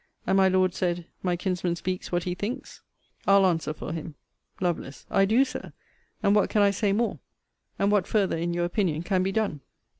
And my Lord said, My kinsman speaks what he thinks, I'll answer for him. Lovel. I do, Sir; and what can I say more? And what farther, in your opinion, can be done?